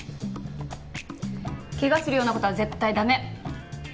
怪我するような事は絶対駄目！